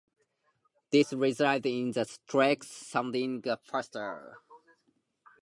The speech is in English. This resulted in the tracks sounding faster.